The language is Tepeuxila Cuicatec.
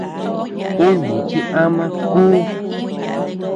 Ú níchi ama kú.